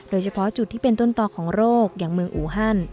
โดยเฉพาะจุดที่เป็นต้นต่อของโรคอย่างเมืองอูฮัน